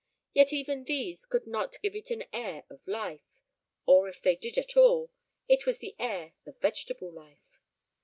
Yet even these could not give it an air of life, or if they did at all, it was an air of vegetable life.